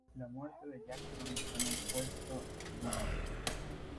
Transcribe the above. La muerte de Jackson está en el puesto No.